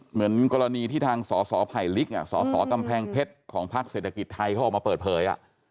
เหมือนกรณีที่ทางศศภัยลิกศศตำแพงเพชรของภักดิ์เศรษฐกิจไทยเข้ามาเปิดเผย